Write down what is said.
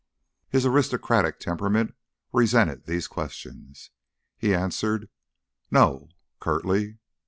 His aristocratic temperament resented these questions. He answered "No" curtly.